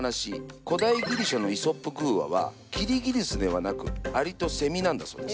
古代ギリシャの「イソップ寓話」はキリギリスではなく「アリとセミ」なんだそうです。